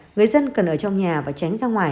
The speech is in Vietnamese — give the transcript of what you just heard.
người dân cần ở trong nhà và tránh ra ngoài